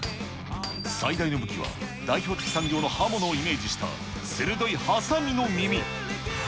最大の武器は、代表的産業の刃物をイメージした、鋭いはさみの耳。